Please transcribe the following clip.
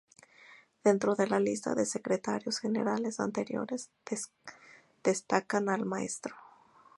Dentro de la lista de Secretarios Generales anteriores, destacan el Mtro.